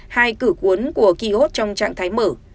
hai cử cuốn của kỳ hốt trong trạng thái mở